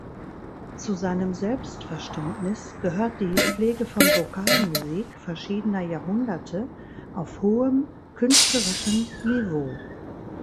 Zu seinem Selbstverständnis gehört die Pflege von Vokalmusik verschiedener Jahrhunderte auf hohem künstlerischen Niveau.